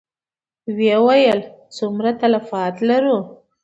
ويې ويل: څومره تلفات لرو؟